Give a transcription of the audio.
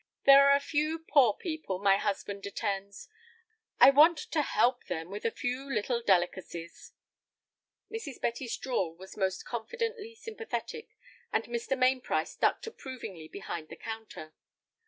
"There are a few poor people my husband attends. I want to help them with a few little delicacies." Mrs. Betty's drawl was most confidentially sympathetic, and Mr. Mainprice ducked approvingly behind the counter.